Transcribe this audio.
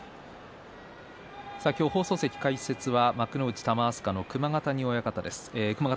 放送席、解説は玉飛鳥の熊ヶ谷親方です。